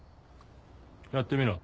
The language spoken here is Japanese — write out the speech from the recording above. やってみろ。